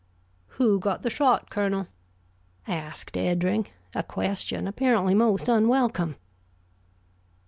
"Who got the shot, Colonel?" asked Eddring a question apparently most unwelcome.